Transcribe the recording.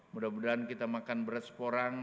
mudah mudahan kita makan beras porang